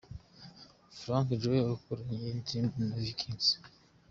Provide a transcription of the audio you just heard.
Frank Joe wakoranye indirimbo na Vickings.